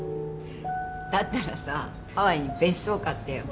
だったらさハワイに別荘買ってよ